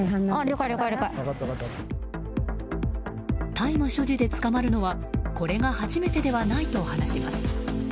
大麻所持で捕まるのはこれが初めてではないと話します。